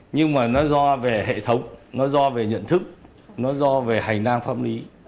nhưng mà nó do về hệ thống nó do về nhận thức nó do về hành năng pháp lý